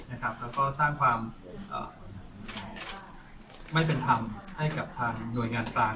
แล้วก็สร้างความไม่เป็นธรรมให้กับทางหน่วยงานกลาง